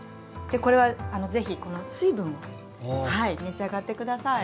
でこれは是非この水分を召し上がって下さい。